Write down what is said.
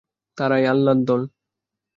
তাঁরাই আল্লাহর দল।